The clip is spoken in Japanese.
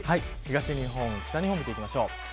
東日本北日本を見ていきましょう。